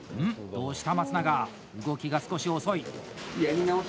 どうした松永動きが少し遅い。